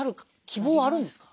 希望はあるんですか？